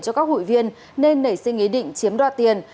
hội viên nên nảy sinh ý định chiếm đoạt tiền